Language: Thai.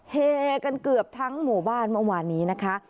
เฮกันเกือบทั้งหมู่บ้านเมื่อวานนี้นะคะ